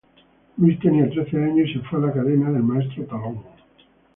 Luis tenía trece años y se fue a la academia del maestro Talón.